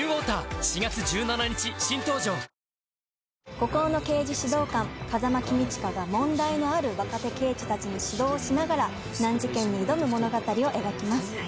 孤高の刑事指導官風間公親が問題のある若手刑事たちに指導をしながら難事件に挑む物語を描きます。